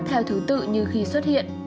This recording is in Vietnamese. bắt theo thứ tự như khi xuất hiện